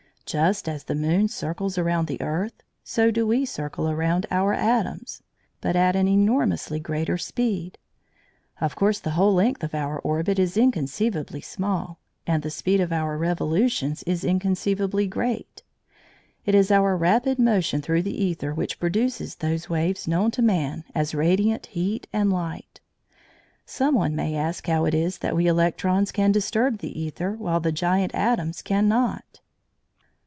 Just as the moon circles around the earth, so do we circle around our atoms, but at an enormously greater speed. Of course the whole length of our orbit is inconceivably small, and the speed of our revolutions is inconceivably great. It is our rapid motion through the æther which produces those waves known to man as radiant heat and light. Some one may ask how it is that we electrons can disturb the æther while the giant atoms cannot.